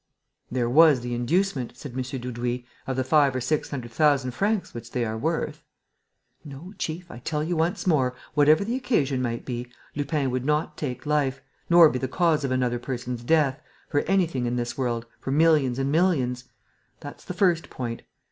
"There was the inducement," said M. Dudouis, "of the five or six hundred thousand francs which they are worth." "No, chief, I tell you once more, whatever the occasion might be, Lupin would not take life, nor be the cause of another person's death, for anything in this world, for millions and millions. That's the first point.